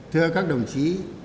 thưa các đồng chí